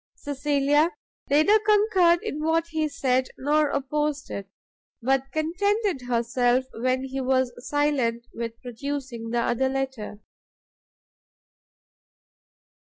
Cecilia neither concurred in what he said, nor opposed it, but contented herself, when he was silent, with producing the other letter.